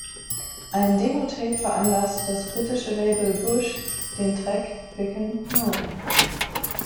Ein Demo-Tape veranlasste das britische Label "Bush" den Track "Ficken No.